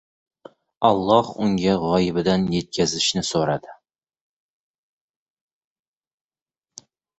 Alloh unga gʻoyibidan yetkazishini soʻradi.